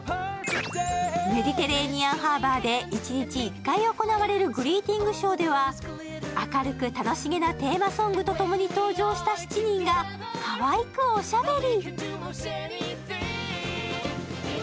メディテレーニアンハーバーで一日１回行われるグリーティングショーでは明るく楽しげなテーマソングとともに登場した７人がかわいくおしゃべり。